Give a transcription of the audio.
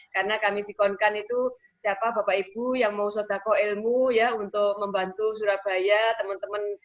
karena kami sikonkan itu siapa bapak ibu yang mau sodako ilmu ya untuk membantu surabaya temen temen